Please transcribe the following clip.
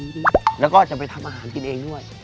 แล้วก็จะไปทำอาหารกินเองด้วย